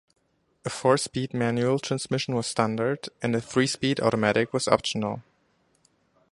A four-speed manual transmission was standard, and a three-speed automatic was optional.